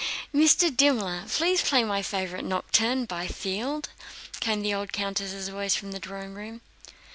"Mr. Dimmler, please play my favorite nocturne by Field," came the old countess' voice from the drawing room.